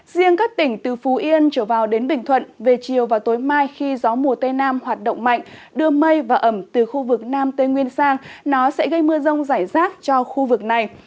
riêng các tỉnh từ phú yên trở vào đến bình thuận về chiều và tối mai khi gió mùa tây nam hoạt động mạnh đưa mây và ẩm từ khu vực nam tây nguyên sang nó sẽ gây mưa rông rải rác cho khu vực này